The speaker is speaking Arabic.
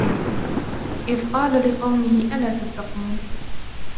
إذ قال لقومه ألا تتقون